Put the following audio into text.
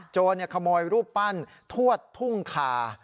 โจรขโมยรูปปั้นทวดทุ่งคา